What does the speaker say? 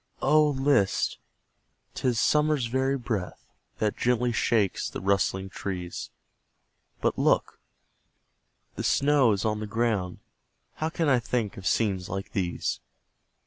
Oh, list! 'tis summer's very breath That gently shakes the rustling trees But look! the snow is on the ground How can I think of scenes like these?